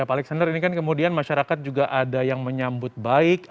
pak alexander ini kan kemudian masyarakat juga ada yang menyambut baik